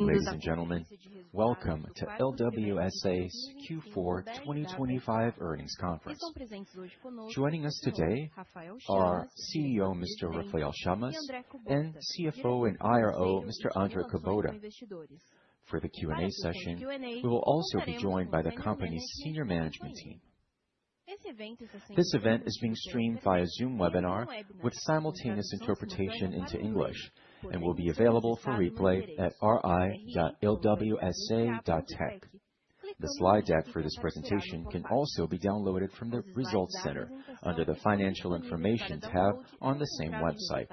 Ladies and gentlemen, welcome to LWSA's Q4 2025 earnings conference. Joining us today are CEO, Mr. Rafael Chamas, and CFO and IRO, Mr. Andre Kubota. For the Q&A session, we will also be joined by the company's senior management team. This event is being streamed via Zoom webinar with simultaneous interpretation into English and will be available for replay at ri.lwsa.com.br. The slide deck for this presentation can also be downloaded from the results center under the Financial Information tab on the same website.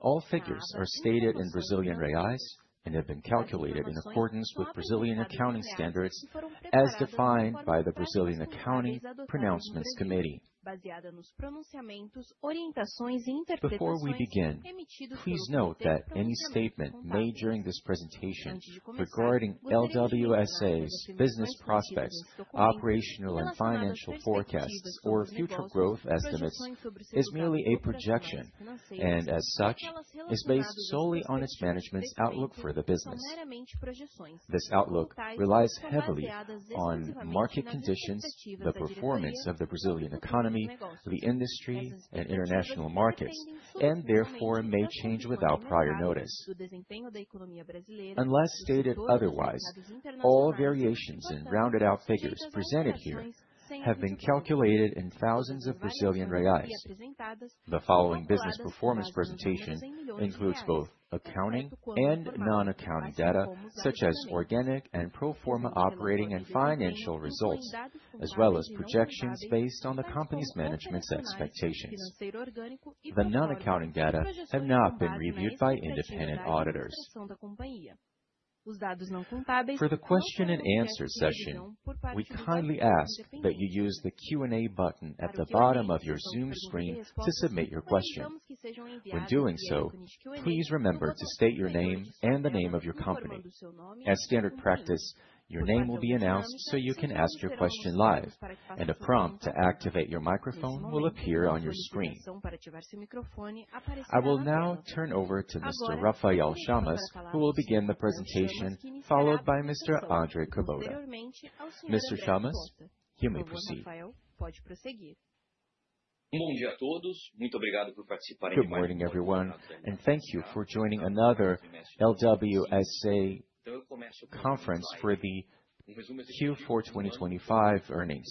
All figures are stated in Brazilian reais and have been calculated in accordance with Brazilian accounting standards as defined by the Brazilian Accounting Pronouncements Committee. Before we begin, please note that any statement made during this presentation regarding LWSA's business prospects, operational and financial forecasts or future growth estimates is merely a projection and as such, is based solely on its management's outlook for the business. This outlook relies heavily on market conditions, the performance of the Brazilian economy, the industry and international markets, and therefore may change without prior notice. Unless stated otherwise, all variations in rounded out figures presented here have been calculated in thousands of Brazilian reais. The following business performance presentation includes both accounting and non-accounting data such as organic and pro forma operating and financial results, as well as projections based on the company's management's expectations. The non-accounting data have not been reviewed by independent auditors. For the question and answer session, we kindly ask that you use the Q&A button at the bottom of your Zoom screen to submit your question. When doing so, please remember to state your name and the name of your company. As standard practice, your name will be announced so you can ask your question live, and a prompt to activate your microphone will appear on your screen. I will now turn over to Mr. Rafael Chamas, who will begin the presentation, followed by Mr. Andre Kubota. Mr. Chamas, you may proceed. Good morning, everyone, and thank you for joining another LWSA conference for the Q4 2025 earnings.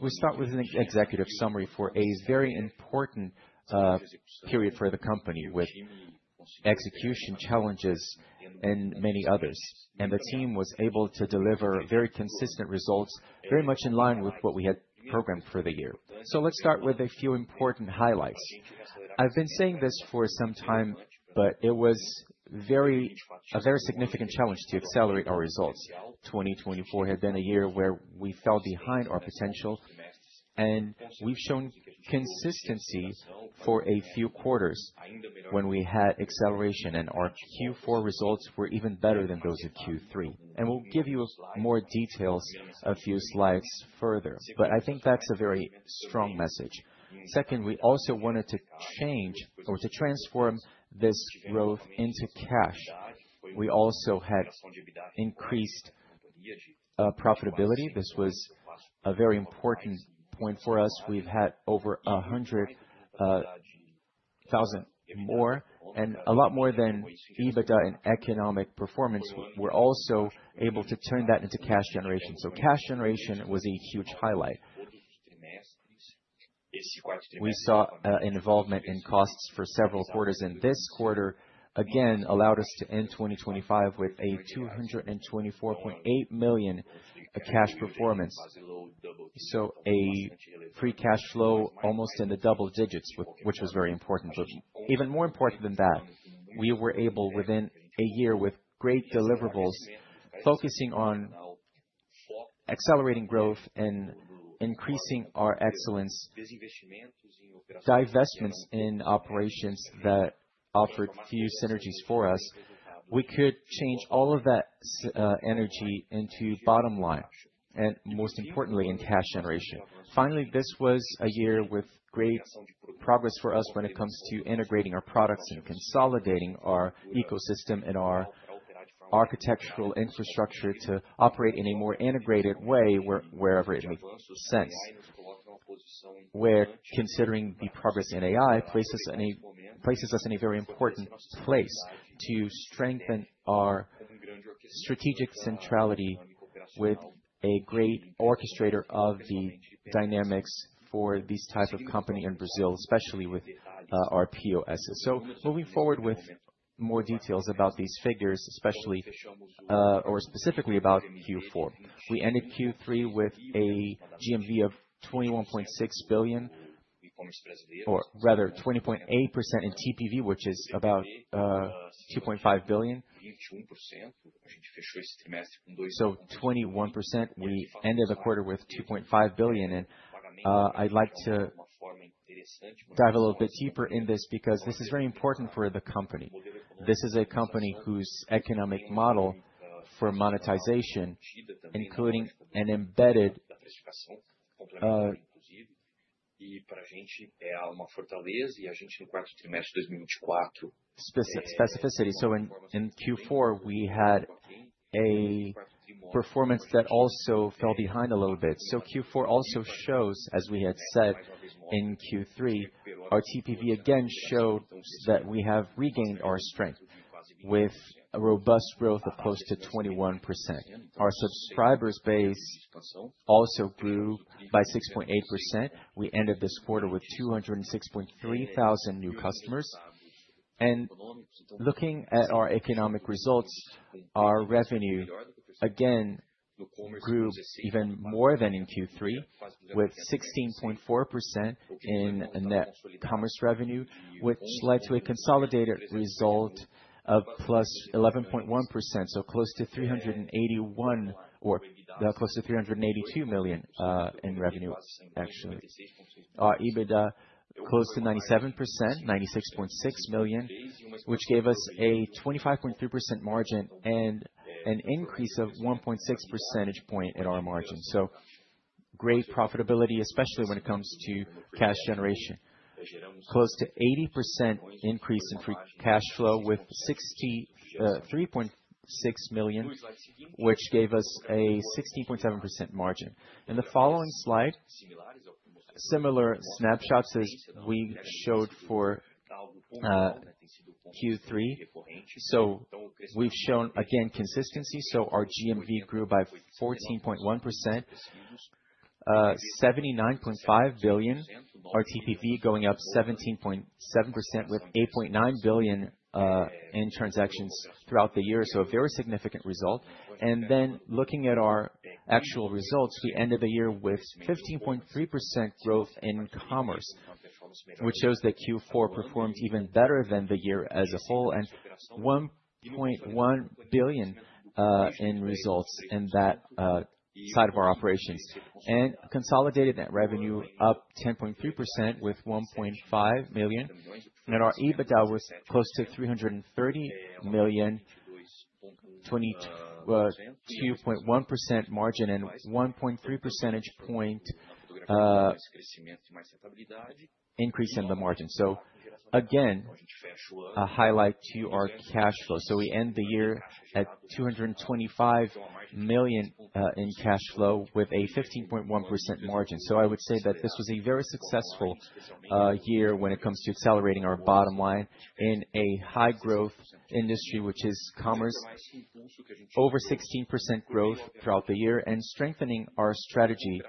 We start with an executive summary for a very important period for the company with execution challenges and many others. The team was able to deliver very consistent results, very much in line with what we had programmed for the year. Let's start with a few important highlights. I've been saying this for some time, but it was a very significant challenge to accelerate our results. 2024 had been a year where we fell behind our potential, and we've shown consistency for a few quarters when we had acceleration, and our Q4 results were even better than those of Q3. We'll give you more details a few slides further. I think that's a very strong message. Second, we also wanted to change or to transform this growth into cash. We also had increased profitability. This was a very important point for us. We've had over 100,000 more and a lot more than EBITDA in economic performance. We're also able to turn that into cash generation. Cash generation was a huge highlight. We saw involvement in costs for several quarters, and this quarter, again, allowed us to end 2025 with a 224.8 million cash performance. A free cash flow almost in the double digits which was very important. Even more important than that, we were able within a year with great deliverables, focusing on accelerating growth and increasing our excellence, divestments in operations that offered few synergies for us. We could change all of that energy into bottom line, and most importantly, in cash generation. Finally, this was a year with great progress for us when it comes to integrating our products and consolidating our ecosystem and our architectural infrastructure to operate in a more integrated way wherever it makes sense. We're considering the progress in AI places us in a very important place to strengthen our strategic centrality with a great orchestrator of the dynamics for these type of company in Brazil, especially with our POSs. Moving forward with more details about these figures, especially or specifically about Q4. We ended Q3 with a GMV of 21.6 billion, or rather 20.8% in TPV, which is about 2.5 billion. 21%, we ended the quarter with 2.5 billion. I'd like to dive a little bit deeper in this because this is very important for the company. This is a company whose economic model for monetization, including an embedded. For us it is a strength and we in the fourth quarter 2024. Specificity. In Q4 we had a performance that also fell behind a little bit. Q4 also shows, as we had said in Q3, our TPV again showed that we have regained our strength with a robust growth of close to 21%. Our subscribers base also grew by 6.8%. We ended this quarter with 206.3 thousand new customers. Looking at our economic results, our revenue again grew even more than in Q3 with 16.4% in net commerce revenue, which led to a consolidated result of +11.1%. close to 381 million close to 382 million in revenue, actually. Our EBITDA close to 97%, 96.6 million, which gave us a 25.3% margin and an increase of 1.6 percentage point in our margin. Great profitability, especially when it comes to cash generation. Close to 80% increase in free cash flow with 3.6 million, which gave us a 16.7% margin. In the following slide, similar snapshots as we showed for Q3. We've shown again consistency. Our GMV grew by 14.1%, 79.5 billion. Our TPV going up 17.7% with 8.9 billion in transactions throughout the year. A very significant result. Looking at our actual results, we ended the year with 15.3% growth in commerce, which shows that Q4 performed even better than the year as a whole, 1.1 billion in results in that side of our operations. Consolidated net revenue up 10.3% with 1.5 million. Our EBITDA was close to 330 million, 2.1% margin and 1.3 percentage point increase in the margin. Again, a highlight to our cash flow. We end the year at 225 million in cash flow with a 15.1% margin. I would say that this was a very successful year when it comes to accelerating our bottom line in a high growth industry, which is commerce. Over 16% growth throughout the year and strengthening our strategy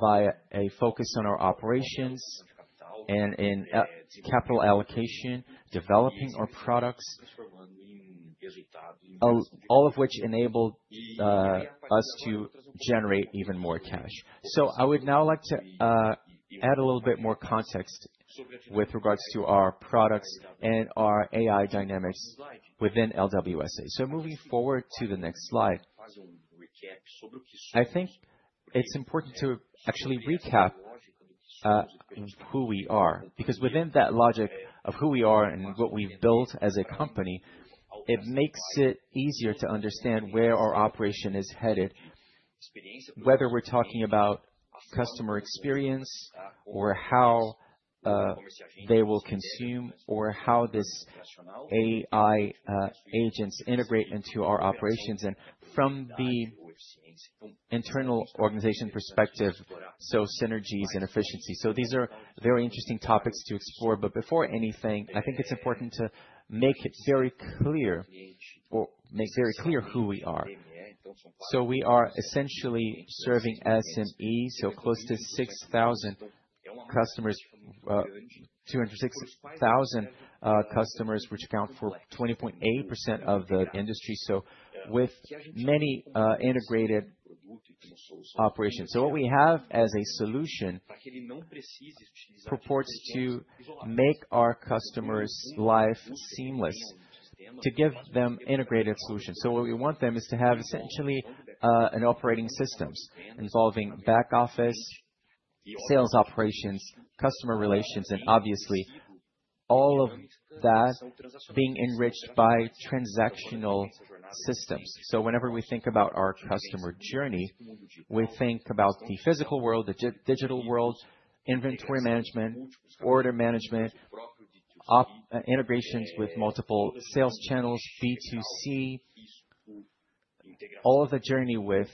via a focus on our operations and in capital allocation, developing our products. All of which enabled us to generate even more cash. I would now like to add a little bit more context with regards to our products and our AI dynamics within LWSA. Moving forward to the next slide. I think it's important to actually recap who we are, because within that logic of who we are and what we've built as a company, it makes it easier to understand where our operation is headed, whether we're talking about customer experience or how they will consume or how this AI agents integrate into our operations. From the internal organization perspective, synergies and efficiency. These are very interesting topics to explore. Before anything, It's important to make it very clear or make very clear who we are. We are essentially serving SME, so close to 6,000 customers, 206,000 customers which account for 20.8% of the industry, so with many integrated operations. What we have as a solution purports to make our customers' life seamless, to give them integrated solutions. What we want them is to have essentially an operating systems involving back office, sales operations, customer relations, and obviously all of that being enriched by transactional systems. Whenever we think about our customer journey, we think about the physical world, the digital world, inventory management, order management, integrations with multiple sales channels, B2C, all of the journey with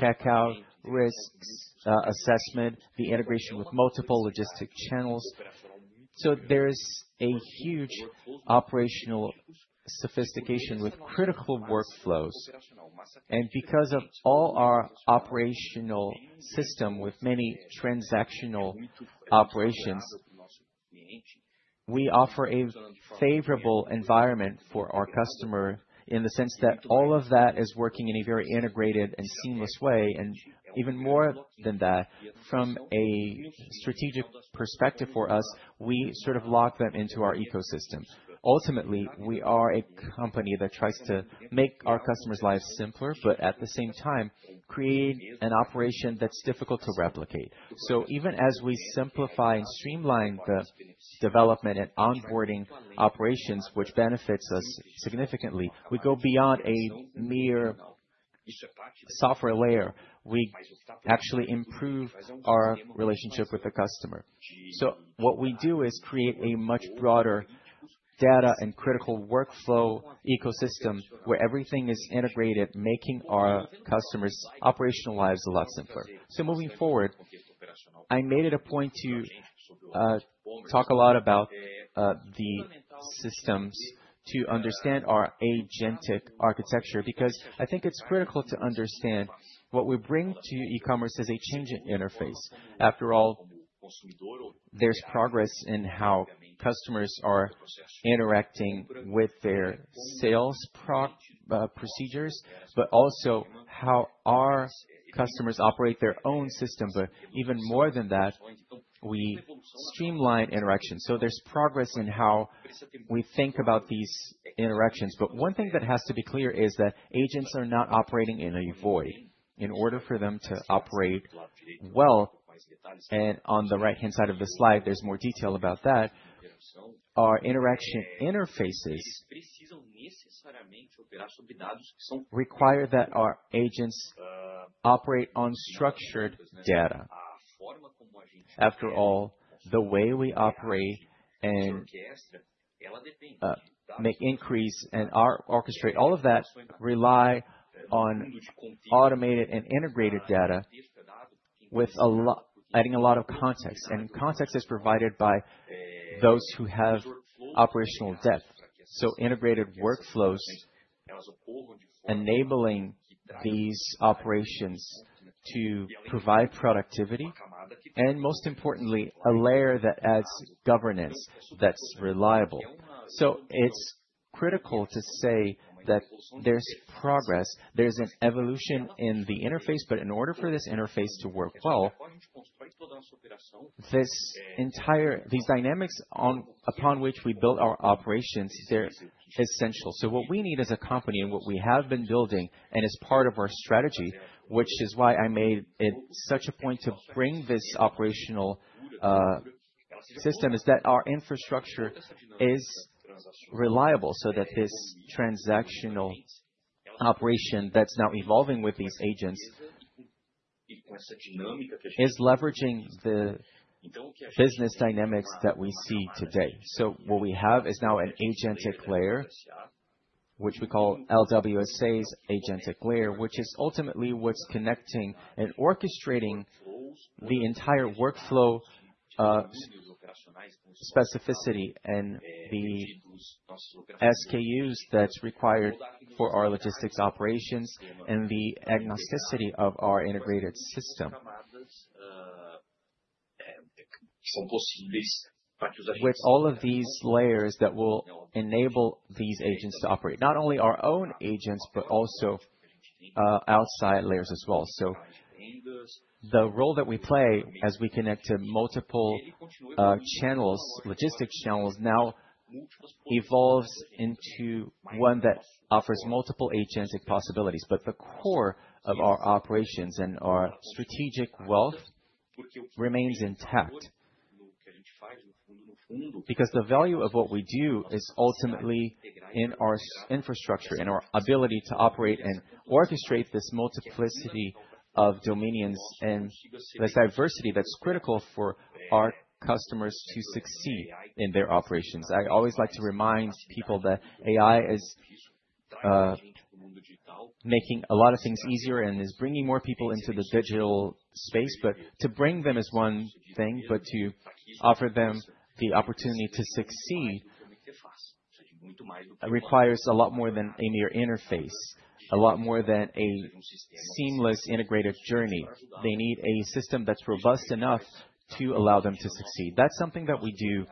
checkout risks, assessment, the integration with multiple logistic channels. There is a huge operational sophistication with critical workflows. Because of all our operational system with many transactional operations, we offer a favorable environment for our customer in the sense that all of that is working in a very integrated and seamless way. Even more than that, from a strategic perspective for us, we sort of lock them into our ecosystem. Ultimately, we are a company that tries to make our customers' lives simpler, but at the same time create an operation that's difficult to replicate. Even as we simplify and streamline the development and onboarding operations which benefits us significantly, we go beyond a mere the software layer, we actually improve our relationship with the customer. What we do is create a much broader data and critical workflow ecosystem where everything is integrated, making our customers' operational lives a lot simpler. Moving forward, I made it a point to talk a lot about the systems to understand our agentic architecture, because I think it's critical to understand what we bring to e-commerce as a changing interface. After all, there's progress in how customers are interacting with their sales procedures, but also how our customers operate their own system. Even more than that, we streamline interactions. There's progress in how we think about these interactions. One thing that has to be clear is that agents are not operating in a void. In order for them to operate well, and on the right-hand side of the slide, there's more detail about that. Our interaction interfaces require that our agents operate unstructured data. After all, the way we operate and make increase and orchestrate all of that rely on automated and integrated data adding a lot of context. Context is provided by those who have operational depth. Integrated workflows enabling these operations to provide productivity, and most importantly, a layer that adds governance that's reliable. It's critical to say that there's progress, there's an evolution in the interface, but in order for this interface to work well, these dynamics upon which we build our operations, they're essential. What we need as a company and what we have been building and as part of our strategy, which is why I made it such a point to bring this operational system, is that our infrastructure is reliable so that this transactional operation that's now evolving with these agents is leveraging the business dynamics that we see today. What we have is now an agentic layer, which we call LWSA's Agentic layer, which is ultimately what's connecting and orchestrating the entire workflow specificity and the SKUs that's required for our logistics operations and the agnosticity of our integrated system. With all of these layers that will enable these agents to operate, not only our own agents, but also outside layers as well. The role that we play as we connect to multiple channels, logistics channels now evolves into one that offers multiple agentic possibilities. The core of our operations and our strategic wealth remains intact. The value of what we do is ultimately in our infrastructure, in our ability to operate and orchestrate this multiplicity of dominions and this diversity that's critical for our customers to succeed in their operations. I always like to remind people that AI is making a lot of things easier and is bringing more people into the digital space. To bring them is one thing, but to offer them the opportunity to succeed requires a lot more than a mere interface, a lot more than a seamless integrated journey. They need a system that's robust enough to allow them to succeed. That's something that we do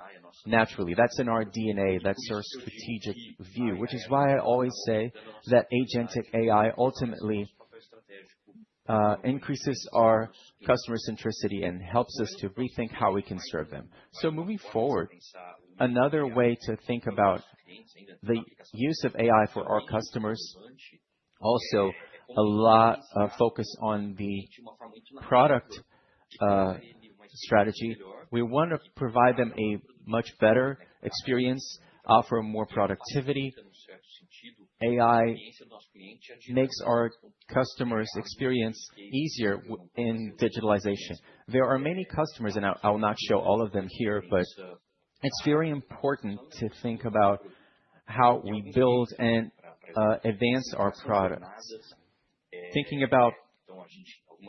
naturally. That's in our DNA. That's our strategic view, which is why I always say that agentic AI ultimately increases our customer centricity and helps us to rethink how we can serve them. Moving forward, another way to think about the use of AI for our customers, also a lot of focus on the product strategy. We want to provide them a much better experience, offer more productivity. AI makes our customers' experience easier in digitalization. There are many customers, and I'll not show all of them here, but it's very important to think about how we build and advance our product. Thinking about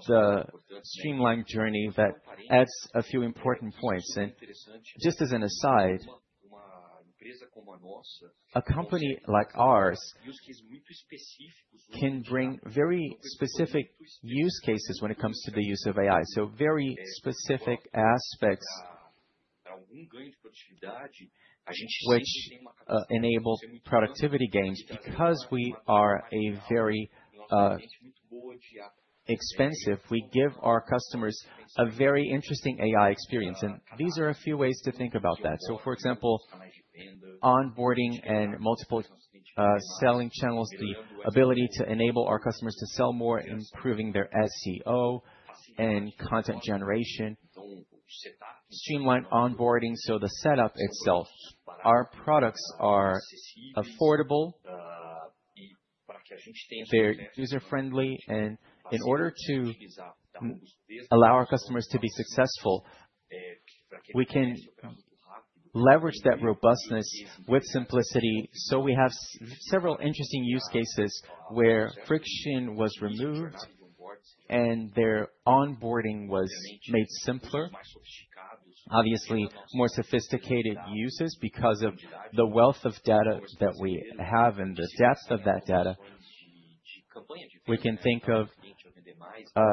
the streamlined journey, that adds a few important points. Just as an aside, a company like ours can bring very specific use cases when it comes to the use of AI. Very specific aspects which enable productivity gains. Because we are a very expensive, we give our customers a very interesting AI experience, and these are a few ways to think about that. For example, onboarding and multiple selling channels, the ability to enable our customers to sell more, improving their SEO and content generation. Streamline onboarding, so the setup itself. Our products are affordable, they're user-friendly, and in order to allow our customers to be successful, we can leverage that robustness with simplicity. We have several interesting use cases where friction was removed and their onboarding was made simpler. Obviously, more sophisticated uses because of the wealth of data that we have and the depth of that data. We can think of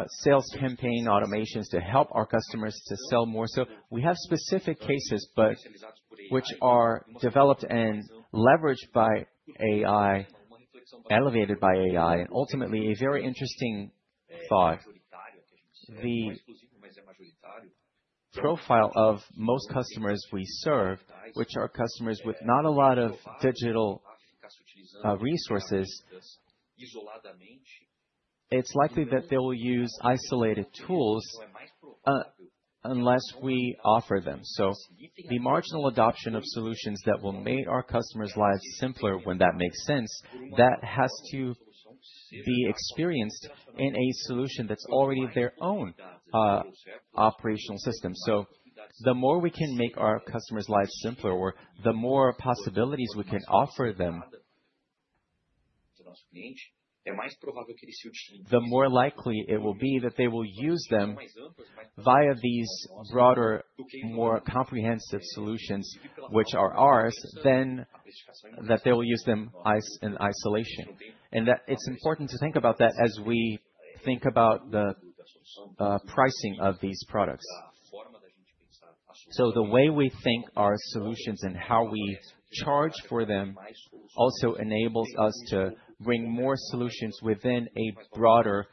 sales campaign automations to help our customers to sell more. We have specific cases, but which are developed and leveraged by AI, elevated by AI. Ultimately, a very interesting thought. The profile of most customers we serve, which are customers with not a lot of digital resources. It's likely that they will use isolated tools unless we offer them. The marginal adoption of solutions that will make our customers' lives simpler when that makes sense, that has to be experienced in a solution that's already their own operational system. The more we can make our customers' lives simpler, or the more possibilities we can offer them, the more likely it will be that they will use them via these broader, more comprehensive solutions, which are ours, than that they will use them in isolation. That it's important to think about that as we think about the pricing of these products. The way we think our solutions and how we charge for them also enables us to bring more solutions within a broader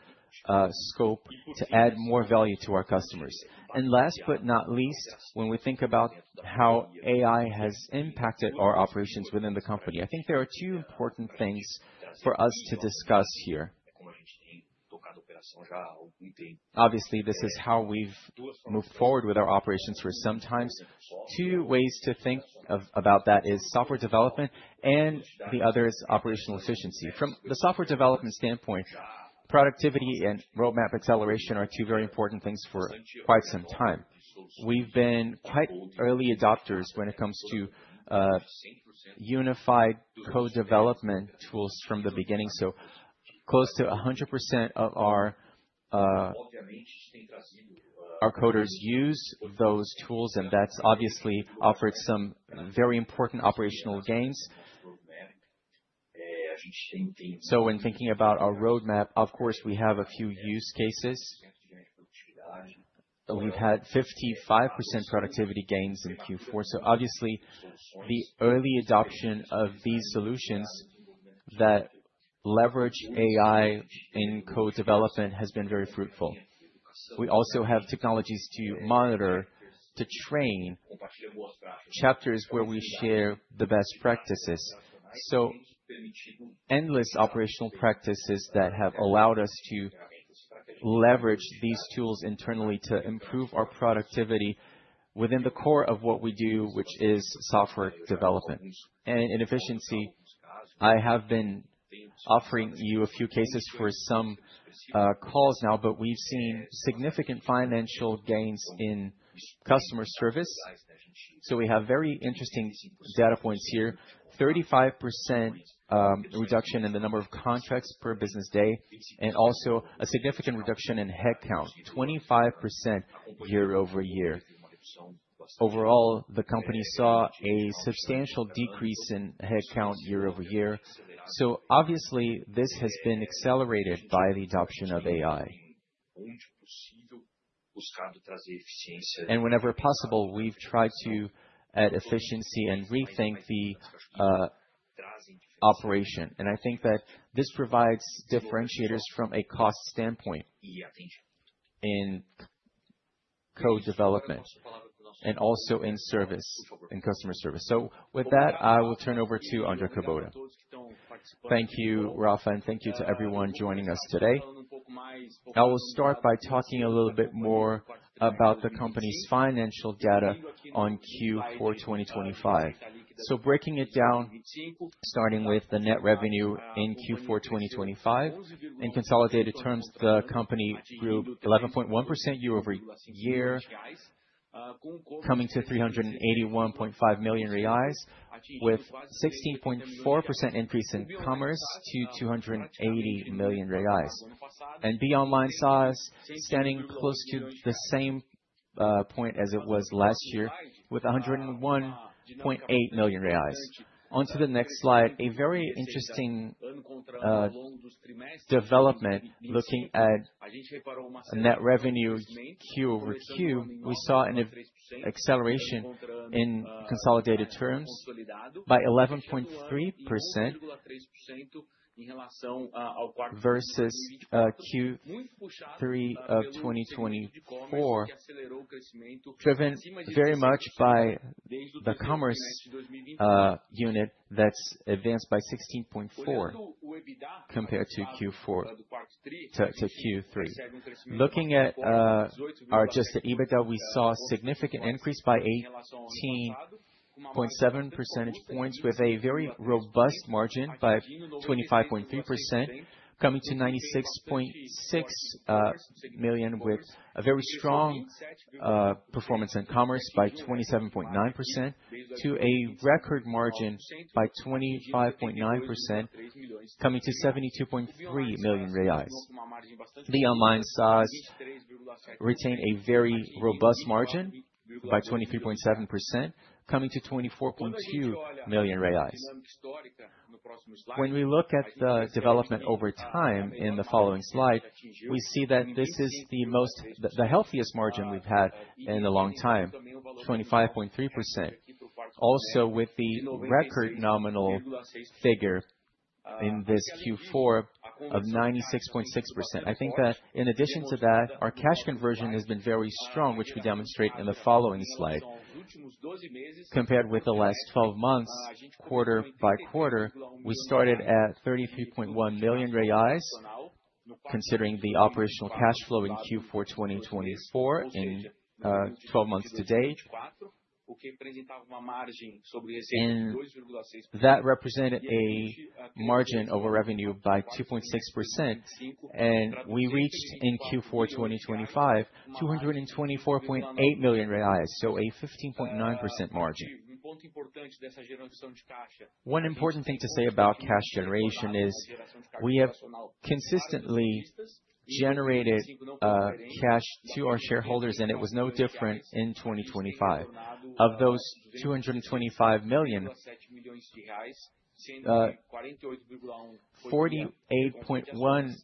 scope to add more value to our customers. Last but not least, when we think about how AI has impacted our operations within the company, I think there are two important things for us to discuss here. Obviously, this is how we've moved forward with our operations for some time. Two ways to think about that is software development and the other is operational efficiency. From the software development standpoint, productivity and roadmap acceleration are two very important things for quite some time. We've been quite early adopters when it comes to unified co-development tools from the beginning. Close to 100% of our coders use those tools, and that's obviously offered some very important operational gains. When thinking about our roadmap, of course, we have a few use cases. We've had 55% productivity gains in Q4. Obviously, the early adoption of these solutions that leverage AI in co-development has been very fruitful. We also have technologies to monitor, to train chapters where we share the best practices. Endless operational practices that have allowed us to leverage these tools internally to improve our productivity within the core of what we do, which is software development. In efficiency, I have been offering you a few cases for some calls now, but we've seen significant financial gains in customer service. We have very interesting data points here. 35% reduction in the number of contracts per business day, and also a significant reduction in headcount, 25% year-over-year. Overall, the company saw a substantial decrease in headcount year-over-year. Obviously, this has been accelerated by the adoption of AI. Whenever possible, we've tried to add efficiency and rethink the operation. I think that this provides differentiators from a cost standpoint in co-development and also in service, in customer service. With that, I will turn over to Andre Kubota. Thank you, Rafa, and thank you to everyone joining us today. I will start by talking a little bit more about the company's financial data on Q4 2025. Breaking it down, starting with the net revenue in Q4 2025. In consolidated terms, the company grew 11.1% year-over-year, coming to 381.5 million reais, with 16.4% increase in commerce to 280 million reais. Beyond mine size, standing close to the same point as it was last year with 101.8 million reais. On to the next slide, a very interesting development looking at net revenue Q over Q. We saw an acceleration in consolidated terms by 11.3% versus Q3 of 2024, driven very much by the commerce unit that's advanced by 16.4%. Compared to Q3. Looking at our adjusted EBITDA, we saw a significant increase by 18.7 percentage points with a very robust margin by 25.3%, coming to 96.6 million BRL, with a very strong performance in commerce by 27.9% to a record margin by 25.9%, coming to 72.3 million real. The online SaaS retained a very robust margin by 23.7%, coming to 24.2 million reais. When we look at the development over time in the following slide, we see that this is the healthiest margin we've had in a long time, 25.3%. With the record nominal figure in this Q4 of 96.6%. That in addition to that, our cash conversion has been very strong, which we demonstrate in the following slide. Compared with the last 12 months, quarter-by-quarter, we started at 33.1 million reais, considering the operational cash flow in Q4 2024 in 12 months to date. That represented a margin over revenue by 2.6%, and we reached in Q4 2025, 224.8 million reais. A 15.9% margin. One important thing to say about cash generation is we have consistently generated cash to our shareholders, and it was no different in 2025. Of those 225 million, 48.1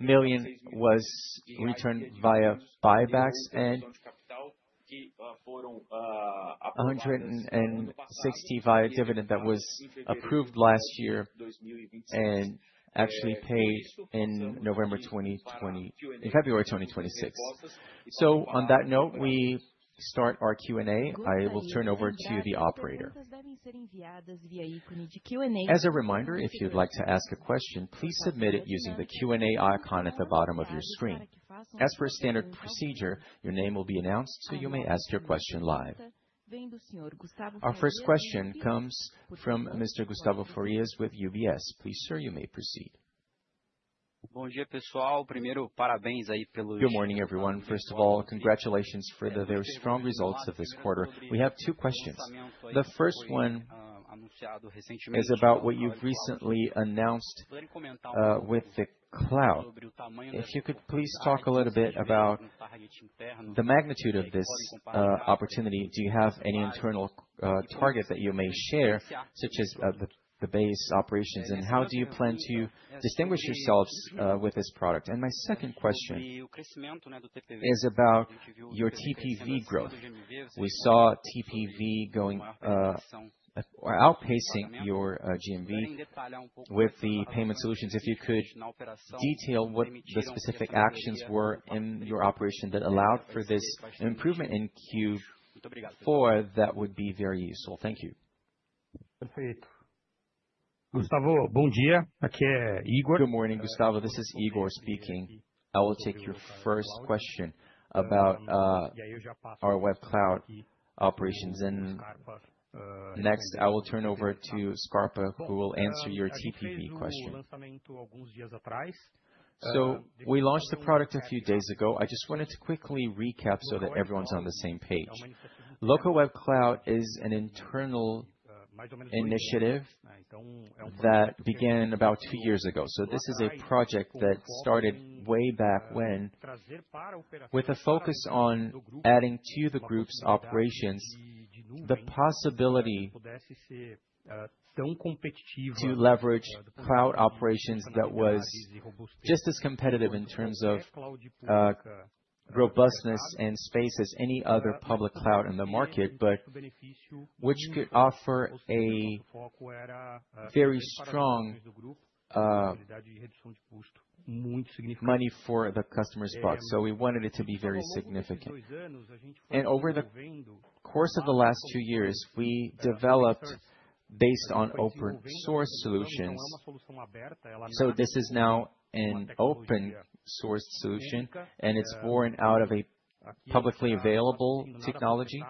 million was returned via buybacks and 160 million via dividend that was approved last year and actually paid in November 2025, in February 2026. On that note, we start our Q&A. I will turn over to the operator. As a reminder, if you'd like to ask a question, please submit it using the Q&A icon at the bottom of your screen. As per standard procedure, your name will be announced, so you may ask your question live. Our first question comes from Mr. Gustavo Farias with UBS. Please, sir, you may proceed. Good morning, everyone. First of all, congratulations for the very strong results of this quarter. We have two questions. The first one is about what you've recently announced with the cloud. If you could please talk a little bit about the magnitude of this opportunity. Do you have any internal target that you may share, such as the base operations, and how do you plan to distinguish yourselves with this product? My second question is about your TPV growth. We saw TPV going or outpacing your GMV with the payment solutions. If you could detail what the specific actions were in your operation that allowed for this improvement in Q four, that would be very useful. Thank you. Good morning, Gustavo. This is Igor speaking. I will take your first question about our web cloud operations. Next, I will turn over to Scarpa, who will answer your TPV question. We launched the product a few days ago. I just wanted to quickly recap so that everyone's on the same page. Locaweb Cloud is an internal initiative that began about two years ago. This is a project that started way back when, with a focus on adding to the group's operations the possibility to leverage cloud operations that was just as competitive in terms of robustness and space as any other public cloud in the market, but which could offer a very strong money for the customer spot. We wanted it to be very significant. Over the course of the last two years, we developed based on open source solutions. This is now an open source solution, and it's born out of a publicly available technology.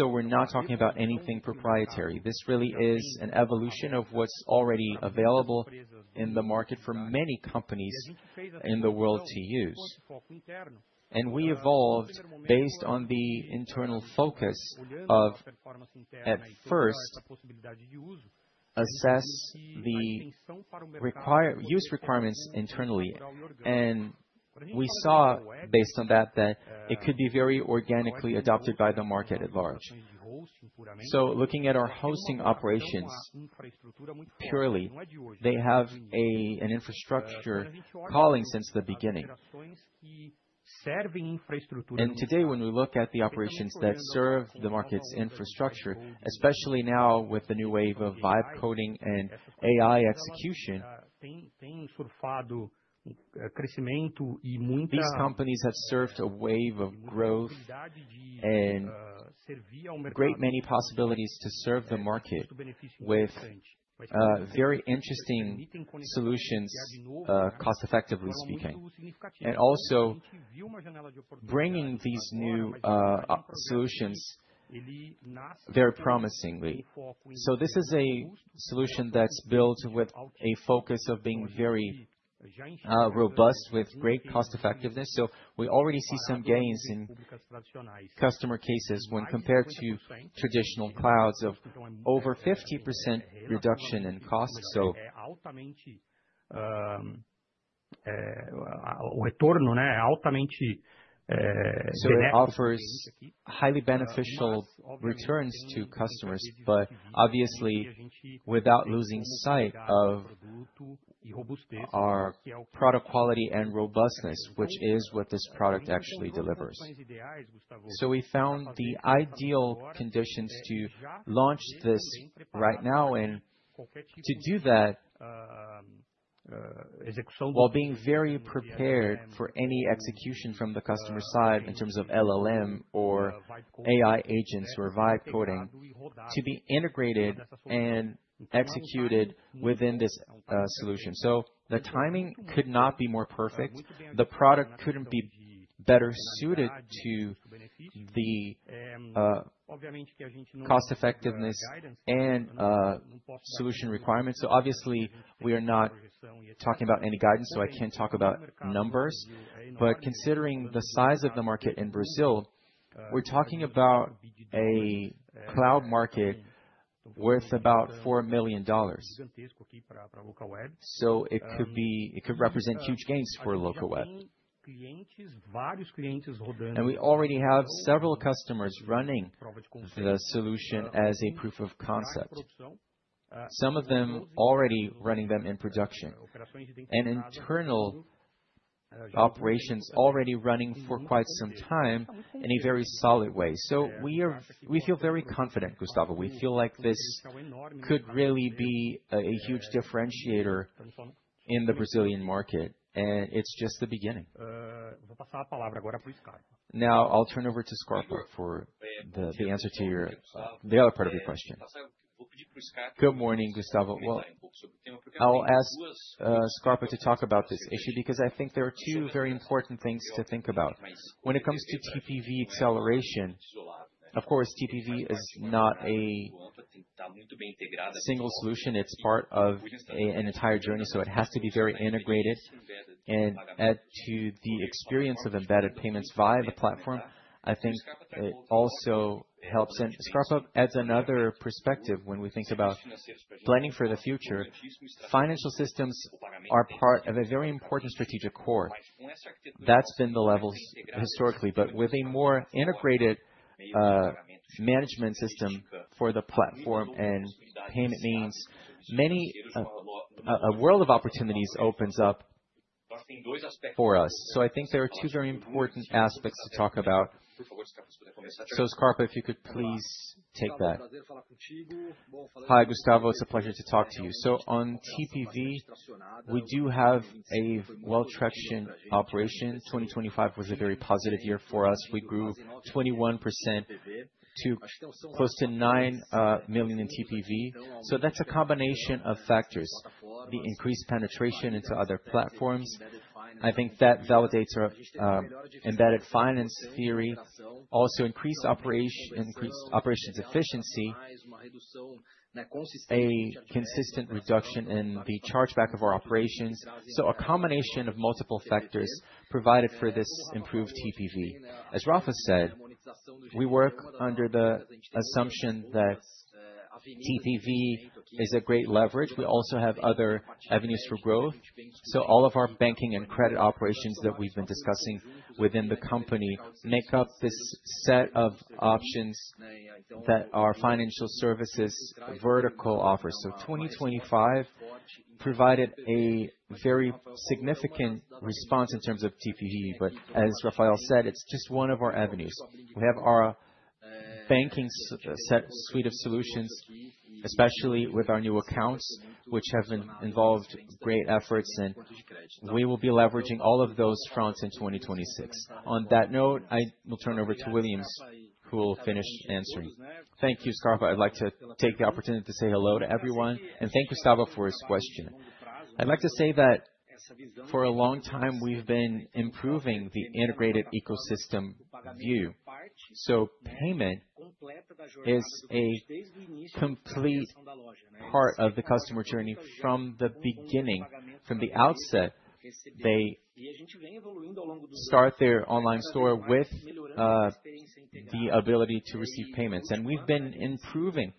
We're not talking about anything proprietary. This really is an evolution of what's already available in the market for many companies in the world to use. We evolved based on the internal focus of, at first, assess the use requirements internally. We saw based on that it could be very organically adopted by the market at large. Looking at our hosting operations purely, they have an infrastructure calling since the beginning. Today, when we look at the operations that serve the market's infrastructure, especially now with the new wave of vibe coding and AI execution, these companies have served a wave of growth and great many possibilities to serve the market with very interesting solutions, cost-effectively speaking, and also bringing these new solutions very promisingly. This is a solution that's built with a focus of being very robust with great cost effectiveness. We already see some gains in customer cases when compared to traditional clouds of over 50% reduction in costs. It offers highly beneficial returns to customers, but obviously, without losing sight of our product quality and robustness, which is what this product actually delivers. We found the ideal conditions to launch this right now and to do that, while being very prepared for any execution from the customer side in terms of LLM or AI agents or vibe coding to be integrated and executed within this solution. The timing could not be more perfect. The product couldn't be better suited to the cost effectiveness and solution requirements. Obviously, we are not talking about any guidance, I can't talk about numbers. Considering the size of the market in Brazil, we're talking about a cloud market worth about $4 million. It could represent huge gains for Locaweb. We already have several customers running the solution as a proof of concept. Some of them already running them in production. Internal operations already running for quite some time in a very solid way. We feel very confident, Gustavo. We feel like this could really be a huge differentiator in the Brazilian market, and it's just the beginning. Now I'll turn over to Scarpa for the answer to your other part of your question. Good morning, Gustavo. Well, I'll ask Scarpa to talk about this issue because I think there are two very important things to think about. When it comes to TPV acceleration, of course, TPV is not a single solution. It's part of an entire journey, so it has to be very integrated and add to the experience of embedded payments via the platform. I think it also helps. Scarpa adds another perspective when we think about planning for the future. Financial systems are part of a very important strategic core. That's been the levels historically, but with a more integrated management system for the platform and payment means, many a world of opportunities opens up for us. I think there are two very important aspects to talk about. Scarpa, if you could please take that. Hi, Gustavo. It's a pleasure to talk to you. On TPV, we do have a well-tractioned operation. 2025 was a very positive year for us. We grew 21% to close to 9 million in TPV. That's a combination of factors. The increased penetration into other platforms, I think that validates our embedded finance theory. Also increased operations efficiency, a consistent reduction in the chargeback of our operations. A combination of multiple factors provided for this improved TPV. As Rafa said, we work under the assumption that TPV is a great leverage. We also have other avenues for growth. All of our banking and credit operations that we've been discussing within the company make up this set of options that our financial services vertical offers. 2025 provided a very significant response in terms of TPV. As Rafael said, it's just one of our avenues. We have our banking suite of solutions, especially with our new accounts, which have been involved great efforts. We will be leveraging all of those fronts in 2026. On that note, I will turn over to Williams, who will finish answering. Thank you, Scarpa. I'd like to take the opportunity to say hello to everyone and thank Gustavo for his question. I'd like to say that for a long time, we've been improving the integrated ecosystem view. Payment is a complete part of the customer journey from the beginning, from the outset. They start their online store with the ability to receive payments. We've been improving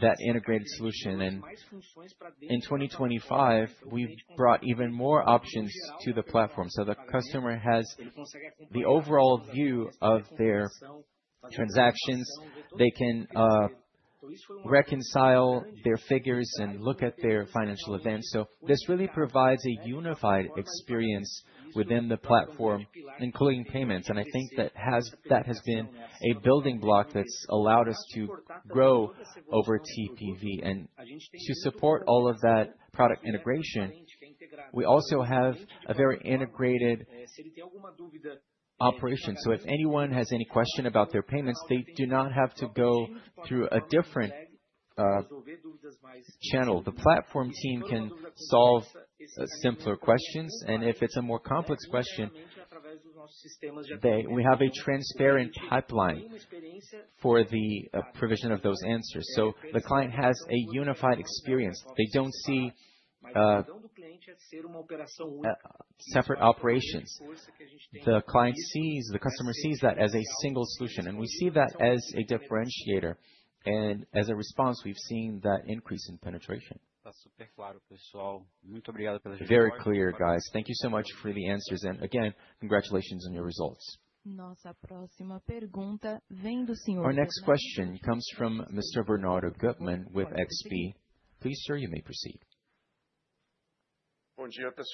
that integrated solution. In 2025, we've brought even more options to the platform. The customer has the overall view of their transactions. They can reconcile their figures and look at their financial events. This really provides a unified experience within the platform, including payments. I think that has been a building block that's allowed us to grow over TPV. To support all of that product integration, we also have a very integrated operation. If anyone has any question about their payments, they do not have to go through a different channel. The platform team can solve simpler questions, and if it's a more complex question, we have a transparent pipeline for the provision of those answers. The client has a unified experience. They don't see separate operations. The customer sees that as a single solution, and we see that as a differentiator. As a response, we've seen that increase in penetration. Very clear, guys. Thank you so much for the answers. Again, congratulations on your results. Our next question comes from Mr. Bernardo Guttman with XP. Please, sir, you may proceed. Good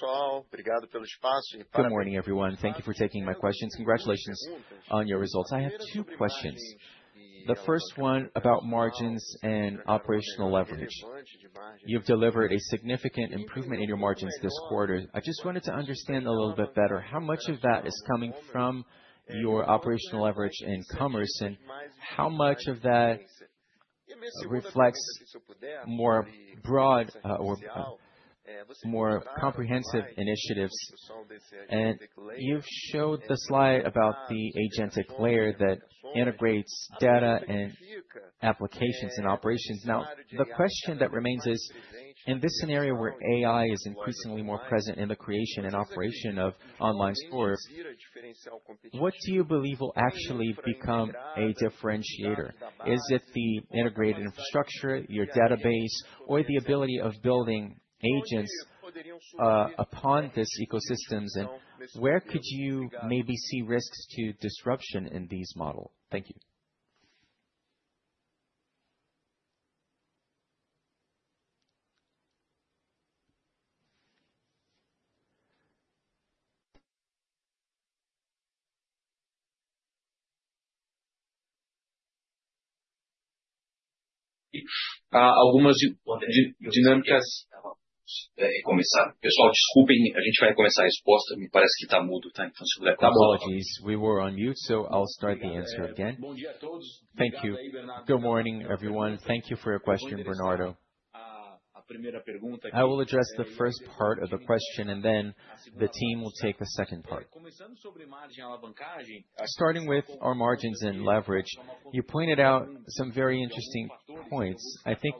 morning, everyone. Thank you for taking my questions. Congratulations on your results. I have two questions. The first one about margins and operational leverage. You've delivered a significant improvement in your margins this quarter. I just wanted to understand a little bit better how much of that is coming from your operational leverage in commerce, and how much of that reflects more broad or more comprehensive initiatives. You've showed the slide about the agentic layer that integrates data and applications and operations. The question that remains is, in this scenario where AI is increasingly more present in the creation and operation of online store, what do you believe will actually become a differentiator? Is it the integrated infrastructure, your database or the ability of building agents upon these ecosystems? Where could you maybe see risks to disruption in these model? Thank you. Apologies, we were on mute, so I'll start the answer again. Thank you. Good morning, everyone. Thank you for your question, Bernardo. I will address the first part of the question, and then the team will take the second part. Starting with our margins and leverage, you pointed out some very interesting points. I think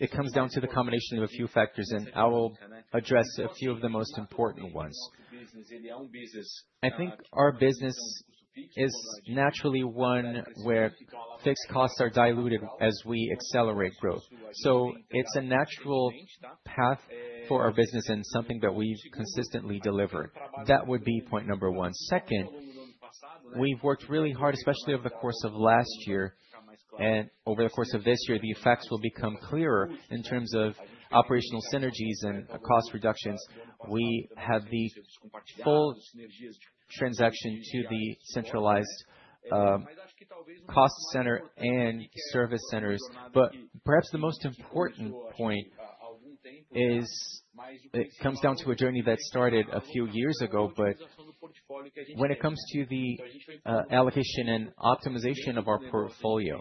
it comes down to the combination of a few factors, and I will address a few of the most important ones. I think our business is naturally one where fixed costs are diluted as we accelerate growth. It's a natural path for our business and something that we've consistently delivered. That would be point number one. Second, we've worked really hard, especially over the course of last year. Over the course of this year, the effects will become clearer in terms of operational synergies and cost reductions. We have the full transaction to the centralized cost center and service centers. Perhaps the most important point is it comes down to a journey that started a few years ago. When it comes to the allocation and optimization of our portfolio,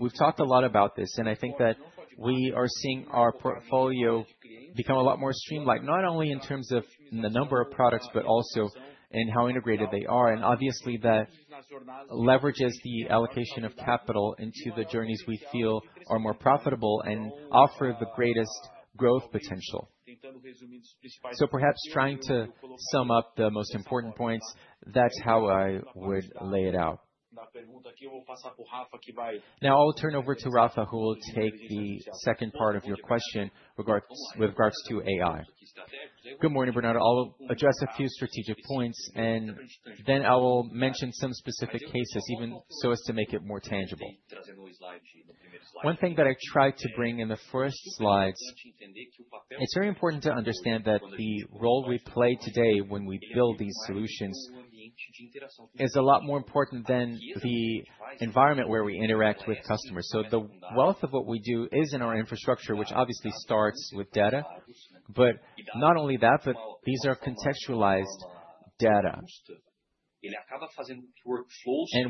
we've talked a lot about this, that we are seeing our portfolio become a lot more streamlined, not only in terms of the number of products, but also in how integrated they are. Obviously, that leverages the allocation of capital into the journeys we feel are more profitable and offer the greatest growth potential. Perhaps trying to sum up the most important points, that's how I would lay it out. I'll turn over to Rafa, who will take the second part of your question with regards to AI. Good morning, Bernardo. I'll address a few strategic points. Then I will mention some specific cases, even so as to make it more tangible. One thing that I tried to bring in the first slides, it's very important to understand that the role we play today when we build these solutions is a lot more important than the environment where we interact with customers. The wealth of what we do is in our infrastructure, which obviously starts with data. Not only that, but these are contextualized data.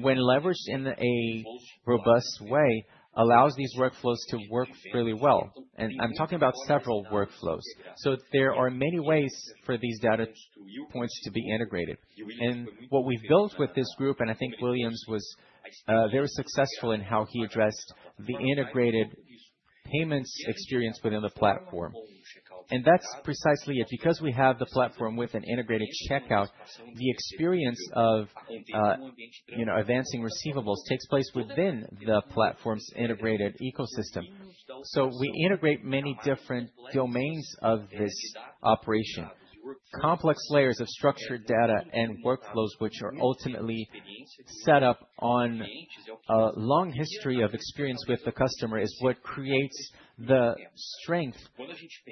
When leveraged in a robust way, allows these workflows to work really well. I'm talking about several workflows. There are many ways for these data points to be integrated. What we've built with this group, and I think Williams was very successful in how he addressed the integrated payments experience within the platform. That's precisely it. Because we have the platform with an integrated checkout, the experience of, you know, advancing receivables takes place within the platform's integrated ecosystem. We integrate many different domains of this operation. Complex layers of structured data and workflows, which are ultimately set up on a long history of experience with the customer, is what creates the strength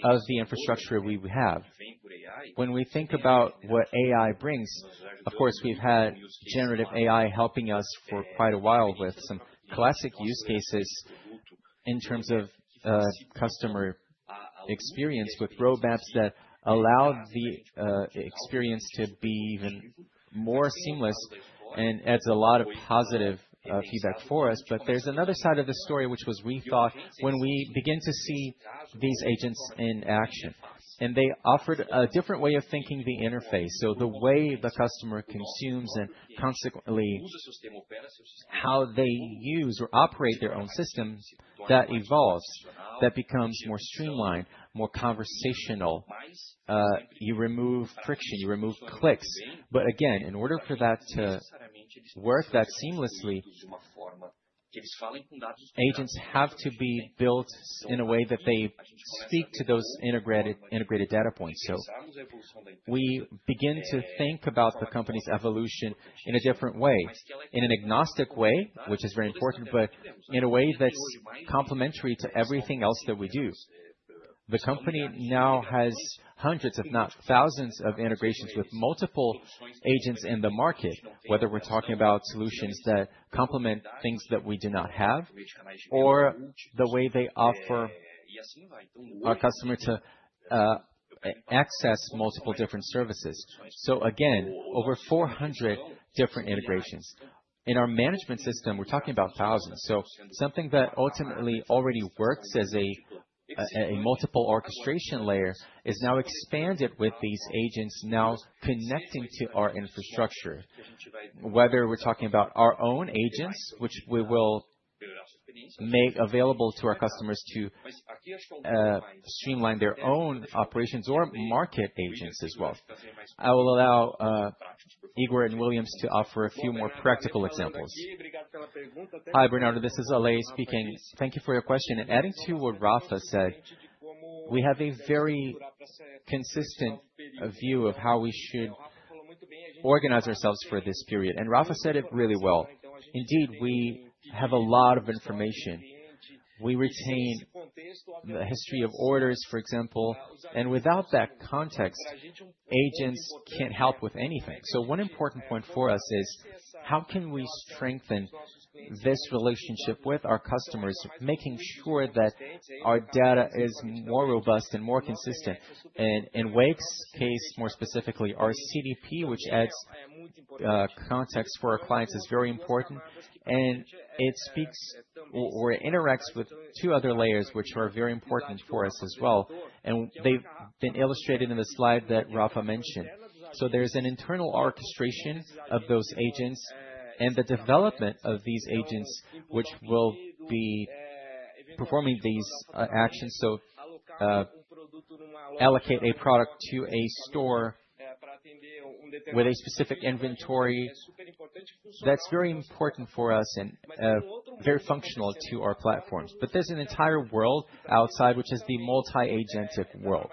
of the infrastructure we have. When we think about what AI brings, of course, we've had generative AI helping us for quite a while with some classic use cases in terms of customer experience with roadmaps that allow the experience to be even more seamless and adds a lot of positive feedback for us. There's another side of the story which was rethought when we begin to see these agents in action. They offered a different way of thinking the interface. The way the customer consumes and consequently how they use or operate their own systems, that evolves, that becomes more streamlined, more conversational. You remove friction, you remove clicks. Again, in order for that to work that seamlessly, agents have to be built in a way that they speak to those integrated data points. We begin to think about the company's evolution in a different way, in an agnostic way, which is very important, but in a way that's complementary to everything else that we do. The company now has hundreds, if not thousands, of integrations with multiple agents in the market, whether we're talking about solutions that complement things that we do not have or the way they offer our customer to access multiple different services. Again, over 400 different integrations. In our management system, we're talking about thousands. Something that ultimately already works as a multiple orchestration layer is now expanded with these agents now connecting to our infrastructure. Whether we're talking about our own agents, which we will make available to our customers to streamline their own operations or market agents as well. I will allow Igor and Williams to offer a few more practical examples. Hi, Bernardo, this is Alê speaking. Thank you for your question. Adding to what Rafa said, we have a very consistent view of how we should organize ourselves for this period. Rafa said it really well. Indeed, we have a lot of information. We retain the history of orders, for example, and without that context, agents can't help with anything. One important point for us is: How can we strengthen this relationship with our customers, making sure that our data is more robust and more consistent? In Wake's case, more specifically, our CDP, which adds context for our clients, is very important, and it speaks or it interacts with two other layers which are very important for us as well, and they've been illustrated in the slide that Rafa mentioned. There's an internal orchestration of those agents and the development of these agents which will be performing these actions. Allocate a product to a store with a specific inventory, that's very important for us and very functional to our platforms. There's an entire world outside, which is the multi-agentic world.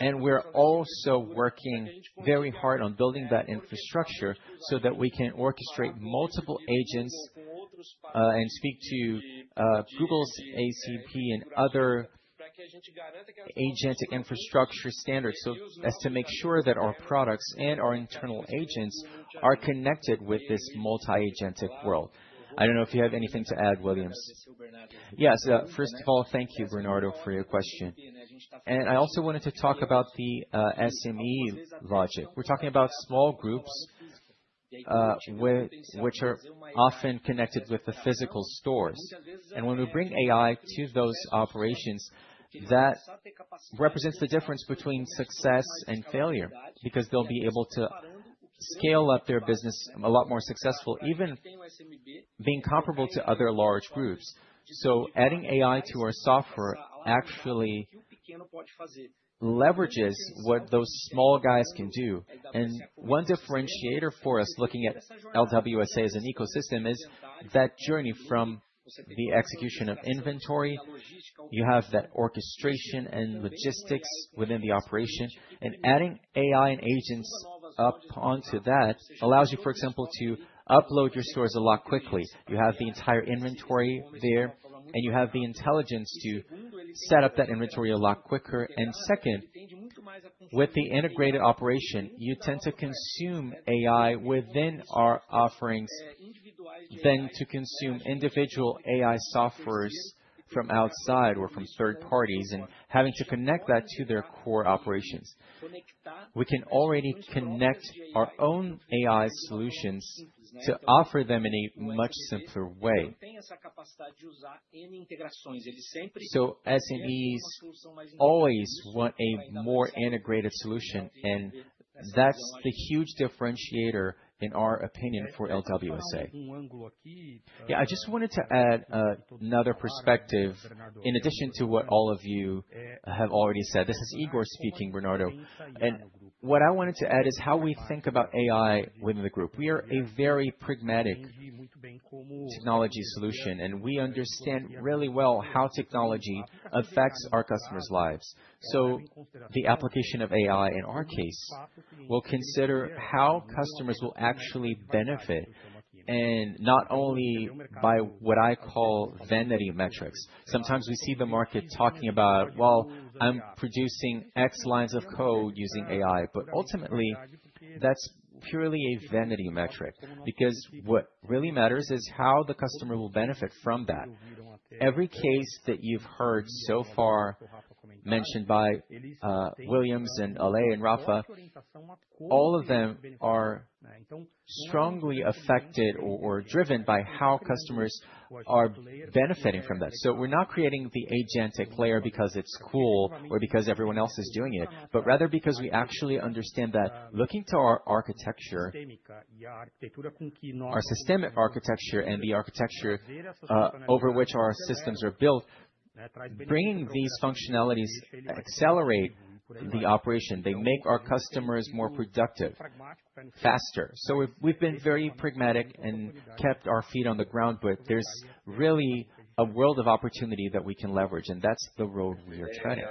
We're also working very hard on building that infrastructure so that we can orchestrate multiple agents and speak to Google's ACP and other agentic infrastructure standards, so as to make sure that our products and our internal agents are connected with this multi-agentic world. I don't know if you have anything to add, Williams. Yes. First of all, thank you, Bernardo, for your question. I also wanted to talk about the SME logic. We're talking about small groups, which are often connected with the physical stores. When we bring AI to those operations, that represents the difference between success and failure, because they'll be able to scale up their business a lot more successful, even being comparable to other large groups. Adding AI to our software actually leverages what those small guys can do. One differentiator for us, looking at LWSA as an ecosystem, is that journey from the execution of inventory. You have that orchestration and logistics within the operation. Adding AI and agents up onto that allows you, for example, to upload your stores a lot quickly. You have the entire inventory there, you have the intelligence to set up that inventory a lot quicker. Second, with the integrated operation, you tend to consume AI within our offerings than to consume individual AI softwares from outside or from third parties and having to connect that to their core operations. We can already connect our own AI solutions to offer them in a much simpler way. SMEs always want a more integrated solution, and that's the huge differentiator, in our opinion, for LWSA. Yeah. I just wanted to add another perspective in addition to what all of you have already said. This is Igor speaking, Bernardo. What I wanted to add is how we think about AI within the group. We are a very pragmatic technology solution, and we understand really well how technology affects our customers' lives. The application of AI in our case will consider how customers will actually benefit, and not only by what I call vanity metrics. Sometimes we see the market talking about, "Well, I'm producing X lines of code using AI." Ultimately, that's purely a vanity metric, because what really matters is how the customer will benefit from that. Every case that you've heard so far mentioned by Williams and Alê and Rafa. All of them are strongly affected or driven by how customers are benefiting from this. We're not creating the agentic layer because it's cool or because everyone else is doing it, but rather because we actually understand that looking to our architecture, our systemic architecture and the architecture over which our systems are built, bringing these functionalities accelerate the operation. They make our customers more productive faster. We've been very pragmatic and kept our feet on the ground, but there's really a world of opportunity that we can leverage, and that's the road we are treading.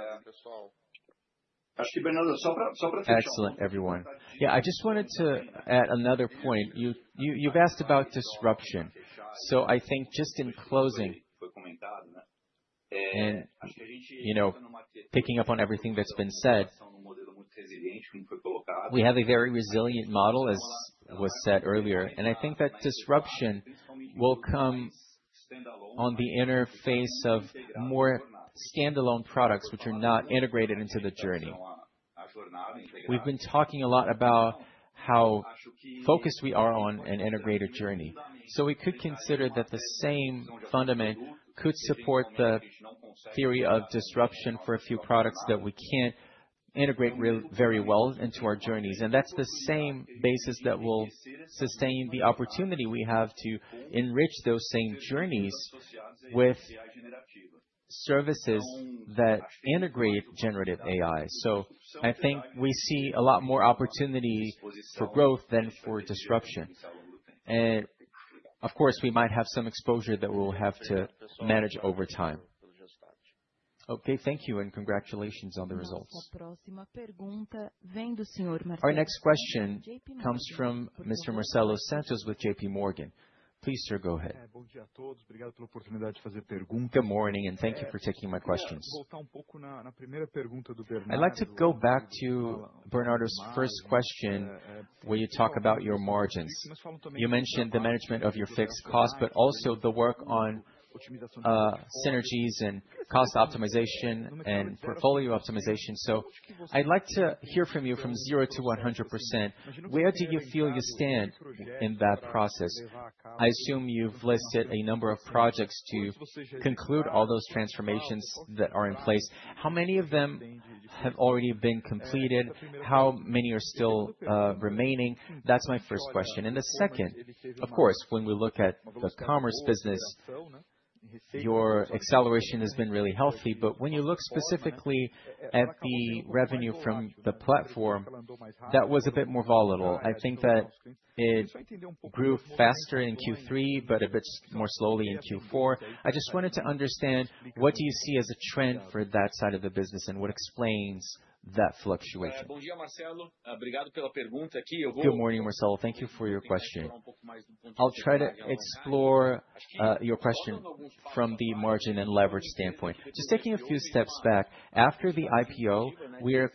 Excellent, everyone. Yeah, I just wanted to add another point. You, you've asked about disruption. I think just in closing and, you know, picking up on everything that's been said, we have a very resilient model, as was said earlier. I think that disruption will come on the interface of more standalone products which are not integrated into the journey. We've been talking a lot about how focused we are on an integrated journey. We could consider that the same fundament could support the theory of disruption for a few products that we can't integrate very well into our journeys. That's the same basis that will sustain the opportunity we have to enrich those same journeys with services that integrate generative AI. I think we see a lot more opportunity for growth than for disruption. Of course, we might have some exposure that we'll have to manage over time. Okay, thank you and congratulations on the results. Our next question comes from Mr. Marcelo Santos with JP Morgan. Please, sir, go ahead. Good morning, and thank you for taking my questions. I'd like to go back to Bernardo's first question, where you talk about your margins. You mentioned the management of your fixed costs, but also the work on synergies and cost optimization and portfolio optimization. I'd like to hear from you from 0 to 100%, where do you feel you stand in that process? I assume you've listed a number of projects to conclude all those transformations that are in place. How many of them have already been completed? How many are still remaining? That's my first question. The second, of course, when we look at the commerce business, your acceleration has been really healthy. When you look specifically at the revenue from the platform, that was a bit more volatile. I think that it grew faster in Q3, but a bit more slowly in Q4. I just wanted to understand what do you see as a trend for that side of the business and what explains that fluctuation? Good morning, Marcelo. Thank you for your question. I'll try to explore your question from the margin and leverage standpoint. Just taking a few steps back, after the IPO, we are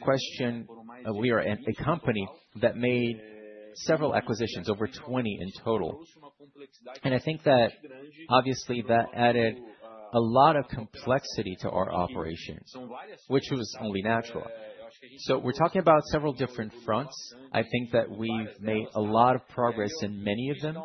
a company that made several acquisitions, over 20 in total. I think that obviously that added a lot of complexity to our operation, which was only natural. We're talking about several different fronts. I think that we've made a lot of progress in many of them.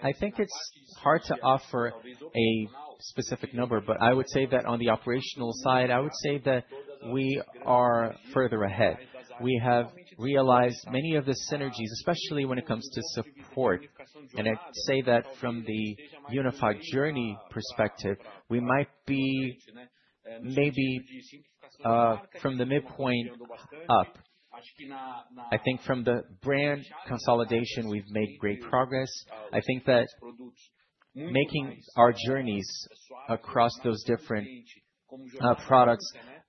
I think it's hard to offer a specific number, but I would say that on the operational side, I would say that we are further ahead. We have realized many of the synergies, especially when it comes to support. I say that from the unified journey perspective, we might be maybe from the midpoint up. I think from the brand consolidation, we've made great progress. I think that making our journeys across those different products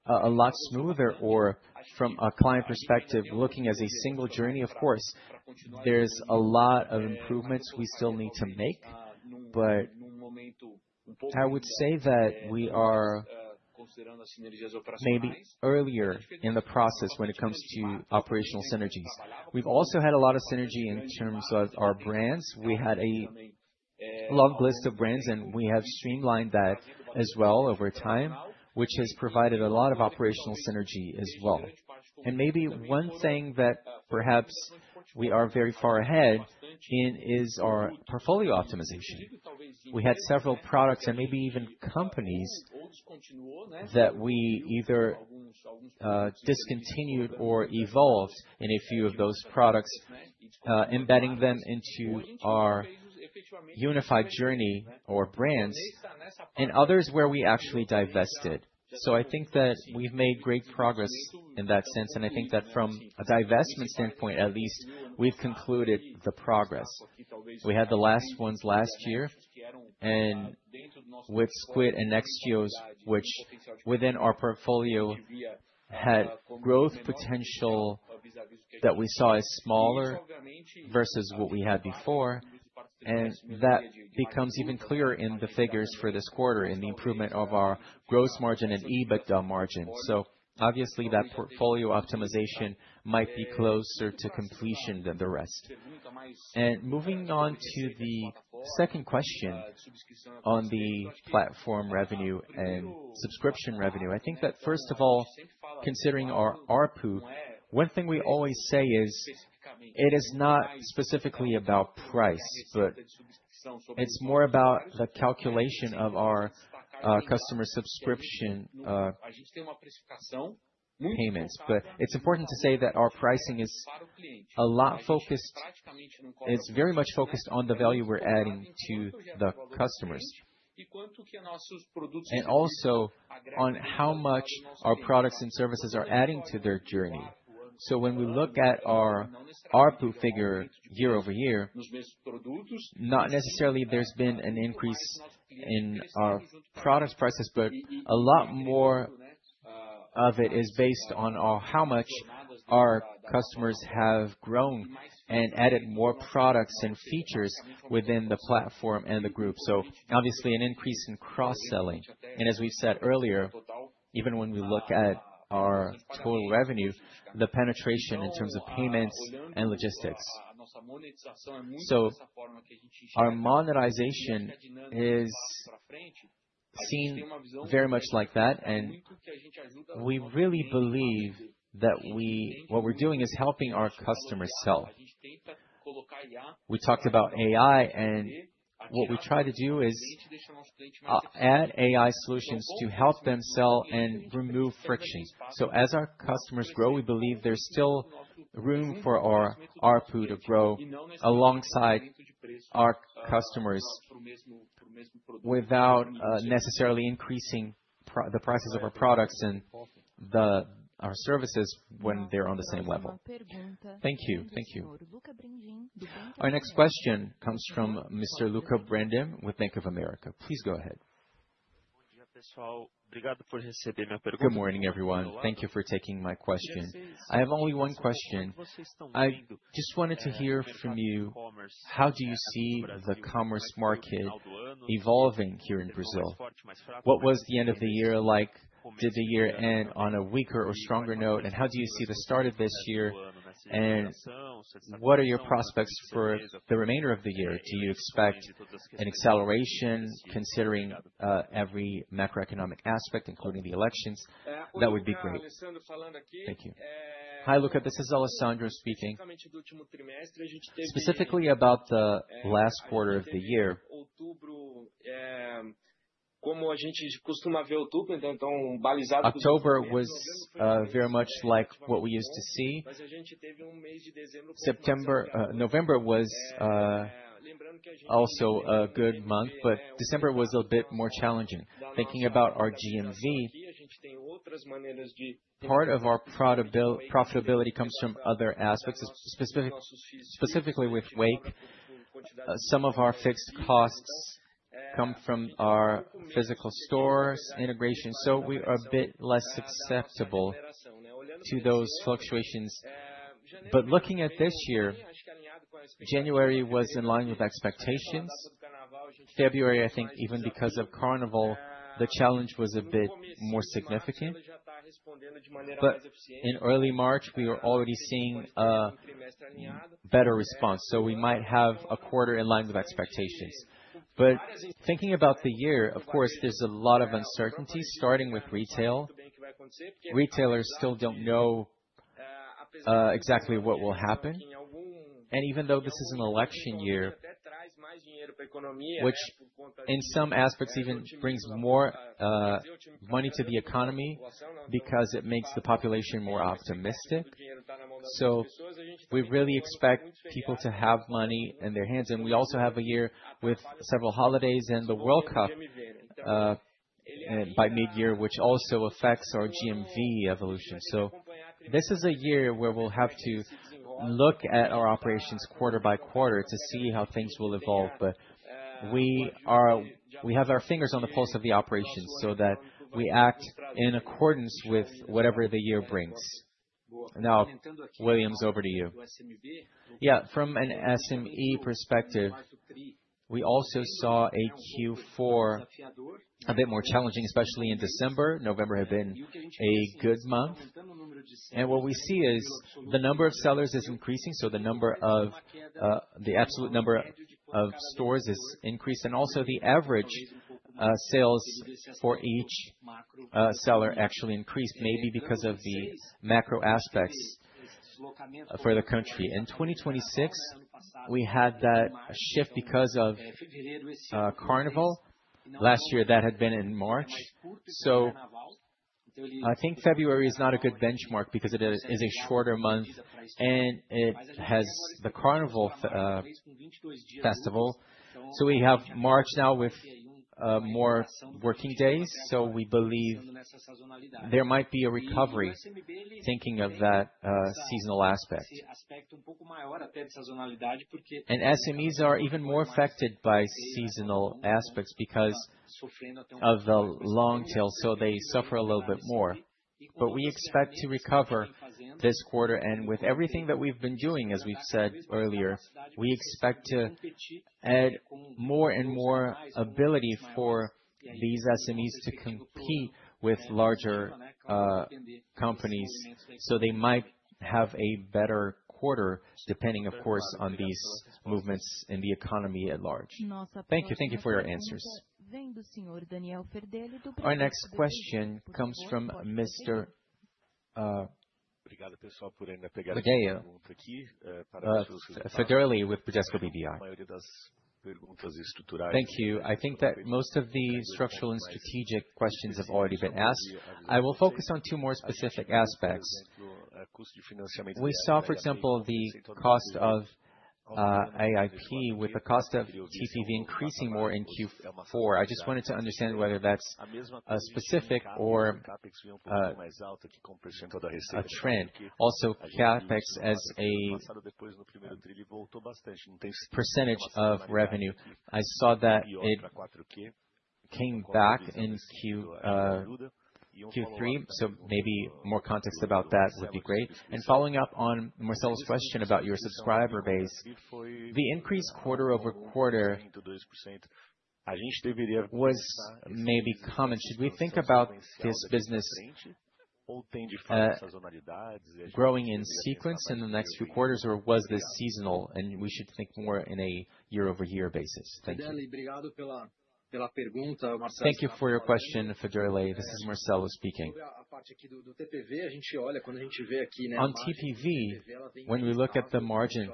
a lot smoother or from a client perspective, looking as a single journey, of course, there's a lot of improvements we still need to make. I would say that we are maybe earlier in the process when it comes to operational synergies. We've also had a lot of synergy in terms of our brands. We had a long list of brands, and we have streamlined that as well over time, which has provided a lot of operational synergy as well. Maybe one thing that perhaps we are very far ahead in is our portfolio optimization. We had several products and maybe even companies that we either discontinued or evolved in a few of those products, embedding them into our unified journey or brands and others where we actually divested. I think that we've made great progress in that sense, and I think that from a divestment standpoint, at least we've concluded the progress. We had the last ones last year and with Squid and Nextios, which within our portfolio had growth potential that we saw as smaller versus what we had before. That becomes even clearer in the figures for this quarter in the improvement of our gross margin and EBITDA margin. Obviously, that portfolio optimization might be closer to completion than the rest. Moving on to the second question on the platform revenue and subscription revenue. I think that first of all, considering our ARPU. One thing we always say is it is not specifically about price, but it's more about the calculation of our customer subscription payments. It's important to say that our pricing is very much focused on the value we're adding to the customers, and also on how much our products and services are adding to their journey. When we look at our ARPU figure year-over-year, not necessarily there's been an increase in our products prices, but a lot more of it is based on how much our customers have grown and added more products and features within the platform and the group. Obviously an increase in cross-selling. As we said earlier, even when we look at our total revenue, the penetration in terms of payments and logistics. Our monetization is seen very much like that, and we really believe that what we're doing is helping our customers sell. We talked about AI, what we try to do is add AI solutions to help them sell and remove friction. As our customers grow, we believe there's still room for our ARPU to grow alongside our customers without necessarily increasing the prices of our products and our services when they're on the same level. Thank you. Thank you. Our next question comes from Mr. Luca Bressan with Bank of America. Please go ahead. Good morning, everyone. Thank you for taking my question. I have only one question. I just wanted to hear from you, how do you see the commerce market evolving here in Brazil? What was the end of the year like? Did the year end on a weaker or stronger note? How do you see the start of this year, and what are your prospects for the remainder of the year? Do you expect an acceleration considering every macroeconomic aspect, including the elections? That would be great. T hank you. Hi, Luca. This is Alessandro speaking. Specifically about the last quarter of the year, October was very much like what we used to see. November was also a good month, but December was a bit more challenging. Thinking about our GMV, part of our profitability comes from other aspects, specifically with Wake. Some of our fixed costs come from our physical stores integration, so we are a bit less susceptible to those fluctuations. Looking at this year, January was in line with expectations. February, I think even because of Carnival, the challenge was a bit more significant. In early March, we were already seeing a better response, so we might have a quarter in line with expectations. Thinking about the year, of course, there's a lot of uncertainty starting with retail. Retailers still don't know exactly what will happen. Even though this is an election year, which in some aspects even brings more money to the economy because it makes the population more optimistic. We really expect people to have money in their hands. We also have a year with several holidays and the World Cup by mid-year, which also affects our GMV evolution. This is a year where we'll have to look at our operations quarter by quarter to see how things will evolve. We have our fingers on the pulse of the operations so that we act in accordance with whatever the year brings. Now, William, over to you. From an SME perspective, we also saw a Q4 a bit more challenging, especially in December. November had been a good month. What we see is the number of sellers is increasing, so the number of the absolute number of stores is increased, and also the average sales for each seller actually increased, maybe because of the macro aspects for the country. In 2026, we had that shift because of Carnival. Last year, that had been in March. I think February is not a good benchmark because it is a shorter month, and it has the Carnival festival. We have March now with more working days, so we believe there might be a recovery thinking of that seasonal aspect. SMEs are even more affected by seasonal aspects because of the long tail, so they suffer a little bit more. We expect to recover this quarter, and with everything that we've been doing, as we've said earlier, we expect to add more and more ability for these SMEs to compete with larger companies. They might have a better quarter, depending, of course, on these movements in the economy at large. Thank you. Thank you for your answers. Our next question comes from Mr. Frederico with BTG Pactual BBI. Thank you. I think that most of the structural and strategic questions have already been asked. I will focus on two more specific aspects. We saw, for example, the cost of AIP with the cost of TPV increasing more in Q4. I just wanted to understand whether that's specific or a trend. CapEx as a percentage of revenue. I saw that it came back in Q3, maybe more context about that would be great. Following up on Marcelo's question about your subscriber base, the increase quarter-over-quarter was maybe common. Should we think about this business growing in sequence in the next quarters, or was this seasonal, and we should think more in a year-over-year basis? Thank you. Thank you for your question, Frederico. This is Marcelo speaking. On TPV, when we look at the margin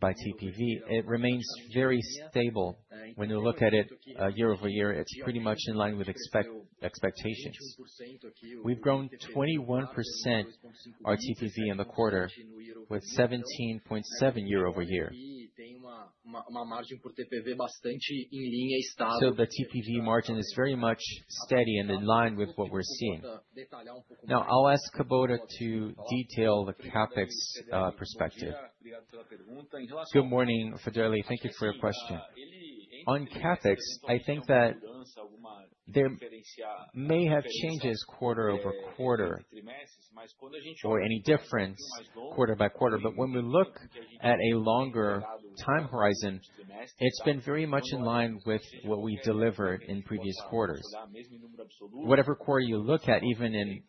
by TPV, it remains very stable. When you look at it year-over-year, it's pretty much in line with expectations. We've grown 21% our TPV in the quarter with 17.7 year-over-year. The TPV margin is very much steady and in line with what we're seeing. I'll ask Kubota to detail the CapEx perspective. Good morning, Frederico. Thank you for your question. On CapEx, I think that there may have changes quarter-over-quarter or any difference quarter-by-quarter. When we look at a longer time horizon, it's been very much in line with what we delivered in previous quarters. Whatever quarter you look at, even in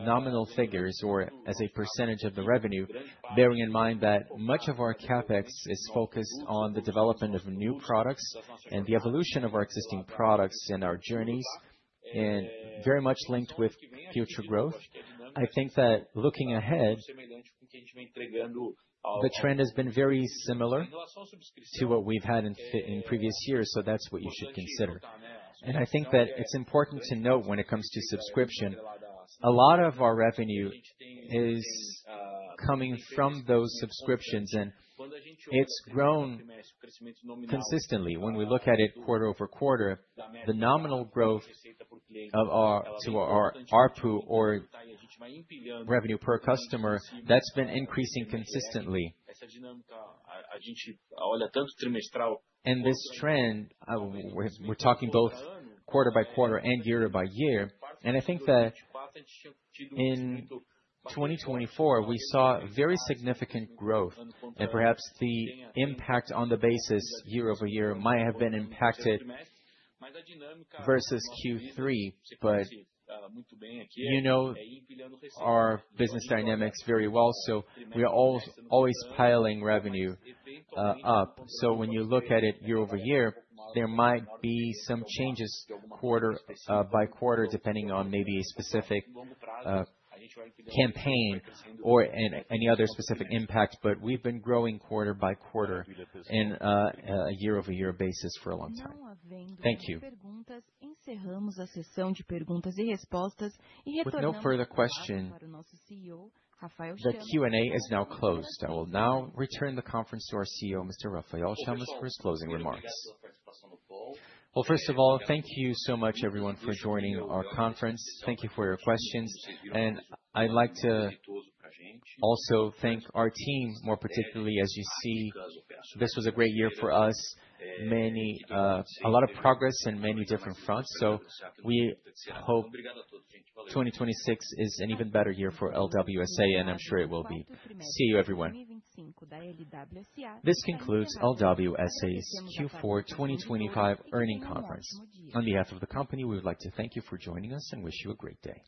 nominal figures or as a % of the revenue, bearing in mind that much of our CapEx is focused on the development of new products and the evolution of our existing products and our journeys, and very much linked with future growth. I think that looking ahead, the trend has been very similar to what we've had in previous years, so that's what you should consider. I think that it's important to note when it comes to subscription, a lot of our revenue is coming from those subscriptions, and it's grown consistently. When we look at it quarter-over-quarter, the nominal growth of our ARPU or revenue per customer, that's been increasing consistently. This trend, we're talking both quarter-by-quarter and year-by-year. I think that in 2024, we saw very significant growth, and perhaps the impact on the basis year-over-year might have been impacted versus Q3. You know our business dynamics very well, we are always piling revenue up. When you look at it year-over-year, there might be some changes quarter-by-quarter, depending on maybe a specific campaign or any other specific impact. We've been growing quarter-by-quarter in a year-over-year basis for a long time. Thank you. With no further question, the Q&A is now closed. I will now return the conference to our CEO, Mr. Rafael Chamas, for his closing remarks. Well, first of all, thank you so much everyone for joining our conference. Thank you for your questions. I'd like to also thank our team, more particularly as you see, this was a great year for us. Many, a lot of progress in many different fronts, so we hope 2026 is an even better year for LWSA, and I'm sure it will be. See you, everyone. This concludes LWSA's Q4 2025 earnings conference. On behalf of the company, we would like to thank you for joining us and wish you a great day.